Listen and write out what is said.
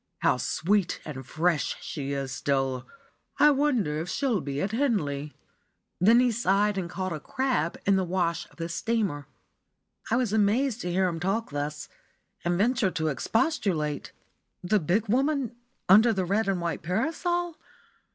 How sweet and fresh she is still! I wonder if she'll be at Henley?" Then he sighed and caught a "crab" in the wash of the steamer. I was amazed to hear him talk thus, and ventured to expostulate. "The big woman under the red and white parasol?